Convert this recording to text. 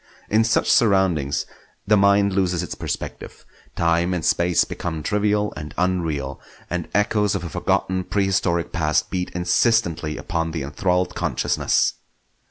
In such surroundings the mind loses its perspective; time and space become trivial and unreal, and echoes of a forgotten prehistoric past beat insistently upon the enthralled consciousness.